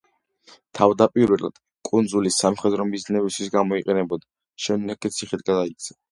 თავდაპირველად კუნძული სამხედრო მიზნებისთვის გამოიყენებოდა, შემდეგ კი ციხედ გადაიქცა.